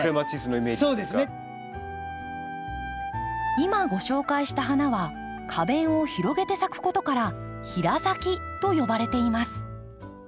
今ご紹介した花は花弁を広げて咲くことから平咲きと呼ばれています。